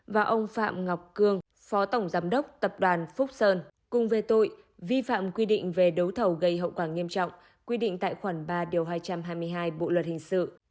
và ông phạm ngọc cương phó tổng giám đốc tập đoàn phúc sơn cùng về tội vi phạm quy định về đấu thầu gây hậu quả nghiêm trọng quy định tại khoản ba điều hai trăm hai mươi hai bộ luật hình sự